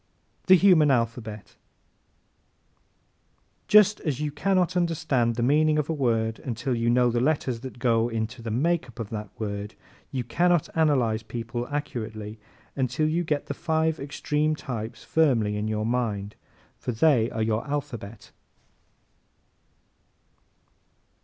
The Human Alphabet ¶ Just as you can not understand the meaning of a word until you know the letters that go into the makeup of that word, you cannot analyze people accurately until you get these five extreme types firmly in your mind, for they are your alphabet.